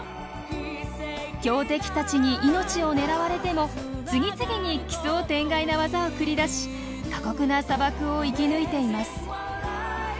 強敵たちに命を狙われても次々に奇想天外なワザを繰り出し過酷な砂漠を生き抜いています。